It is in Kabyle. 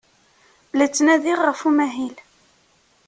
La ttnadiɣ ɣef umahil.